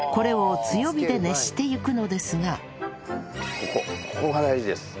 ここが大事です。